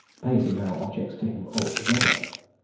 Pacey now objects to him altogether.